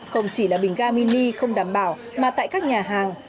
không chỉ là bình ga mini không đảm bảo mà tại các nhà hàng